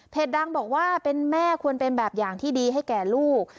ดังบอกว่าเป็นแม่ควรเป็นแบบอย่างที่ดีให้แก่ลูก